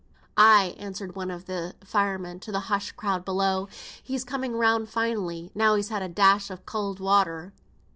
"Ay," answered one of the firemen to the hushed crowd below. "He's coming round finely, now he's had a dash of cowd water."